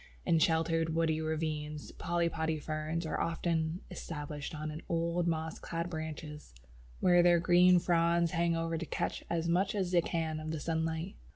In sheltered woody ravines, Polypody ferns are often established on old moss clad branches, where their green fronds hang over to catch as much as they can of the sunlight.